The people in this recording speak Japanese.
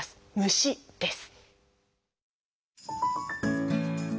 虫です。